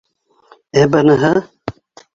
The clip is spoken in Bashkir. — Ә быныһы?